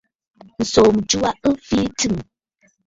Ǹsòò mɨjɨ wa ɨ fii tsɨ̂ŋ.